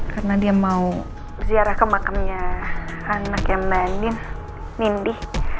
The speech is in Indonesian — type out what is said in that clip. karena dia mau ziarah ke makamnya anak yang mandin nindi